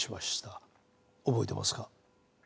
覚えてますか？